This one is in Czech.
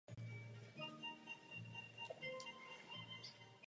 Michael Haller starší byl velice známý obhájce v celém okrese Los Angeles.